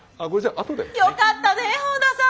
よかったね本田さん！